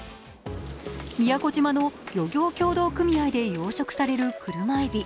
宮古島の漁業協同組合で養殖される車えび。